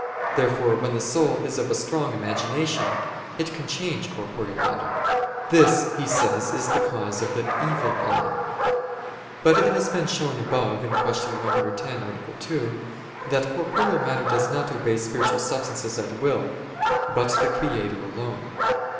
Therefore when the soul is of strong imagination, it can change corporeal matter. This he says is the cause of the "evil eye." But it has been shown above (Q. 110, A. 2) that corporeal matter does not obey spiritual substances at will, but the Creator alone.